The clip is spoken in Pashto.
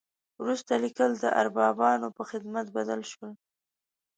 وروسته لیکل د اربابانو په خدمت بدل شول.